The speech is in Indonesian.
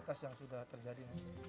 mayoritas yang sudah terjadi